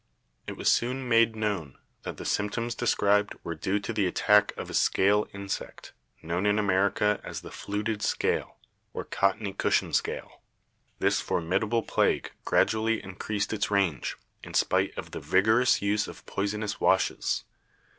It was soon made known that the symptoms described were due to the attack of a scale insect, known in America as the fluted scale, or cottony cushion scale. "This formidable plague gradually increased its range, in spite of the vigorous use of poisonous washes.